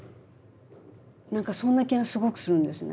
何かそんな気がすごくするんですね。